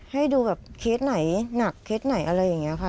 ให้ดูแบบเคสไหนหนักเคสไหนอะไรอย่างนี้ค่ะ